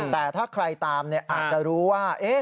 แต่ถ้าใครตามอาจจะรู้ว่า